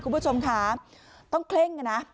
คุณผู้ชมค่ะต้องเคร่งนะ